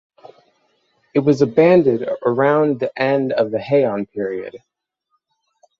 It was abandoned around the end of the Heian period.